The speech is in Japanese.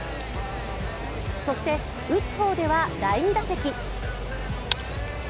そして、打つ方では第２打席。